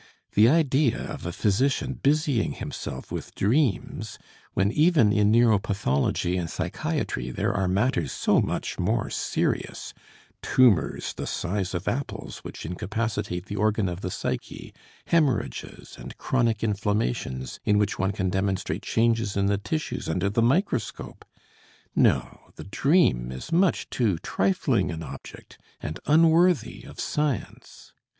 The idea of a physician busying himself with dreams when even in neuropathology and psychiatry there are matters so much more serious tumors the size of apples which incapacitate the organ of the psyche, hemorrhages, and chronic inflammations in which one can demonstrate changes in the tissues under the microscope! No, the dream is much too trifling an object, and unworthy of Science.